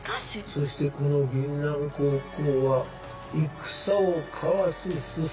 そしてこの銀杏高校は戦を交わす裾野。